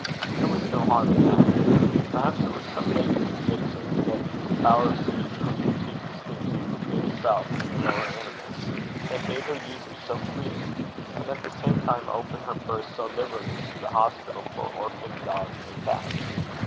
There was no harm in that. Perhaps it was some latent conviction that this power of speech was the chief distinction between herself and the lower animals, that made her use it so freely, and at the same time open her purse so liberally to the Hospital for Orphan Dogs and Cats.